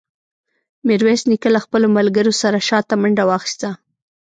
ميرويس نيکه له خپلو ملګرو سره شاته منډه واخيسته.